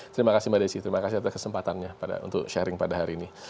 terima kasih mbak desi terima kasih atas kesempatannya untuk sharing pada hari ini